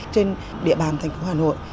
trên địa bàn thành phố hà nội